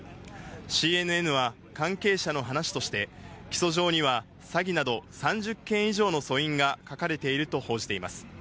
ＣＮＮは関係者の話として、起訴状には詐欺など、３０件以上の訴因が書かれていると報じています。